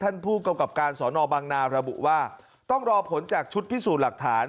ท่านผู้กำกับการสอนอบังนาระบุว่าต้องรอผลจากชุดพิสูจน์หลักฐาน